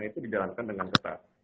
itu dijalankan dengan ketat